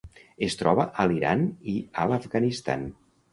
Es troba a l'Iran i a l'Afganistan.